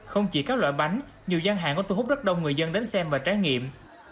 không chỉ các loại bánh nhiều gian hàng có thu hút rất đông người dân đến xem và trải nghiệm